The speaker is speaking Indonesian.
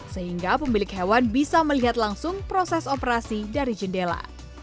sehingga pemilik hewan bisa melihat langsung proses operasi dari jendela